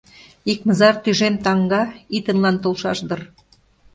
Икмызар тӱжем таҥга итынлан толшаш дыр.